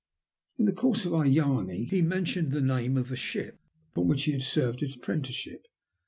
In the course of our yarning he men tioned the name of the ship upon which he had served his apprenticeship.